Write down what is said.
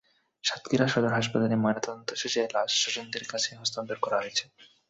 সাতক্ষীরা সদর হাসপাতালে ময়নাতদন্ত শেষে লাশ স্বজনদের কাছে হস্তান্তর করা হয়েছে।